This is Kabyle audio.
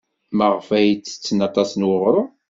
Maɣef ay ttetten aṭas n uɣrum?